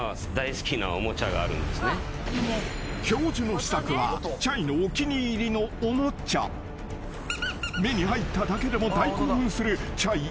［教授の秘策はチャイのお気に入りのおもちゃ］［目に入っただけでも大興奮するチャイ